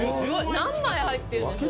何枚入ってるの？